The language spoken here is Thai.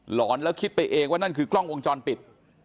หอนแล้วคิดไปเองว่านั่นคือกล้องวงจรปิด